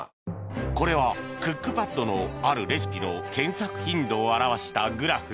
これはクックパッドのあるレシピの検索頻度を表したグラフ